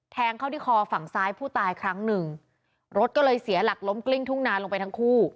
แทงเข้าที่คอฝั่งซ้ายผู้ตายครั้งหนึ่งรถก็เลยเสียหลักล้มกลิ้งทุ่งนานลงไปทั้งคู่